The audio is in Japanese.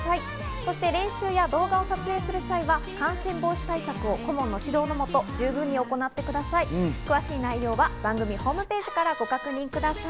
そして練習や動画を撮影する際は感染防止対策を顧問の指導のもと十分に行ってください。